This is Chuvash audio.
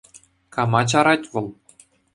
Кама чарать вӑл?